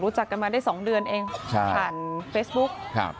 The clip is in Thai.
รู้จักกันมาได้๒เดือนเองผ่านเฟซบุ๊ค